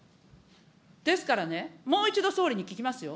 ですからね、もう一度総理に聞きますよ。